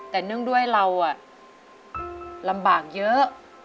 แต่เนื่องด้วยเราลำบากเยอะ